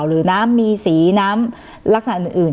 หรือน้ำมีสีน้ำลักษณะอื่น